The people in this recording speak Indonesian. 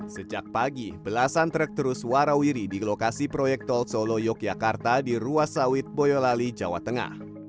sejak pagi belasan truk terus warawiri di lokasi proyek tol solo yogyakarta di ruas sawit boyolali jawa tengah